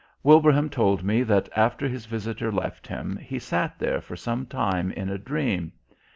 Wilbraham told me that after his Visitor left him he sat there for some time in a dream.